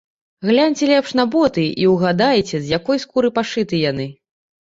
Гляньце лепш на боты і ўгадайце, з якой скуры пашыты яны.